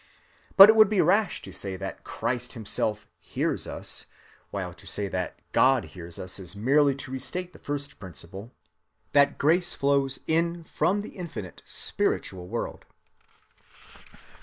But it would be rash to say that Christ himself hears us; while to say that God hears us is merely to restate the first principle,—that grace flows in from the infinite spiritual world."